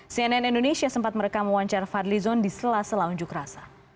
cnn indonesia sempat merekam wancar fadli zon di sela sela unjuk rasa